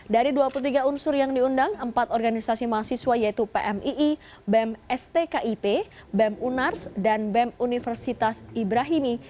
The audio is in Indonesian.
dari dua puluh tiga unsur yang diundang empat organisasi mahasiswa yaitu pmii bem stkip bem unars dan bem universitas ibrahimi